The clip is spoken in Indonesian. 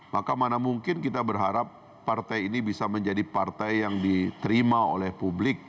maka mana mungkin kita berharap partai ini bisa menjadi partai yang diterima oleh publik